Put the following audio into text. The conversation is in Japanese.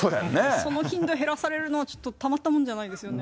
その頻度を減らされるのは、ちょっとたまったもんじゃないですよね。